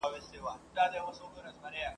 د همزولو په ټولۍ کي ګلدسته یم !.